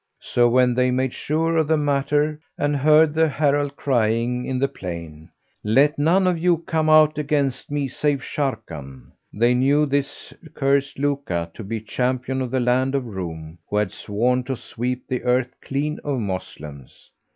So when they made sure of the matter and heard the herald crying in the plain, "Let none of you come out against me save Sharrkan," they knew this cursed Luka to be champion of the land of Roum who had sworn to sweep the earth clean of Moslems.